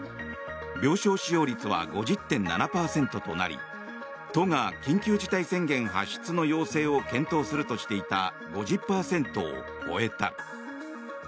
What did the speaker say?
病床使用率は５０．７％となり都が緊急事態宣言発出の要請を検討するとしていた５０％を超えた。